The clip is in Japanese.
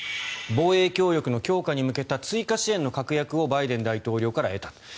防衛協力の強化に向けた追加支援の確約をバイデン大統領から得た。